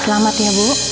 selamat ya bu